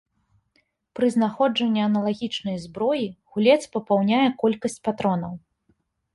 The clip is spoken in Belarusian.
Пры знаходжанні аналагічнай зброі гулец папаўняе колькасць патронаў.